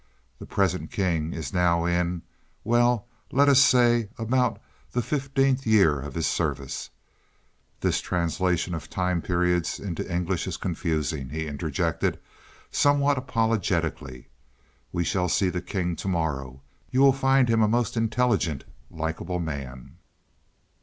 The present king is now in well let us say about the fifteenth year of his service. This translation of time periods into English is confusing," he interjected somewhat apologetically. "We shall see the king to morrow; you will find him a most intelligent, likeable man.